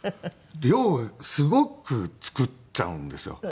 量すごく作っちゃうんですよ。